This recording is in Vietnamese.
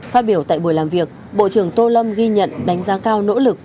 phát biểu tại buổi làm việc bộ trưởng tô lâm ghi nhận đánh giá cao nỗ lực